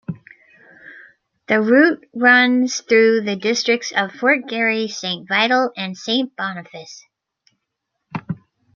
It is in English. The route runs through the districts of Fort Garry, Saint Vital, and Saint Boniface.